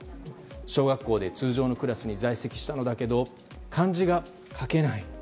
小学校で通常のクラスに在籍したのだけど漢字が書けない。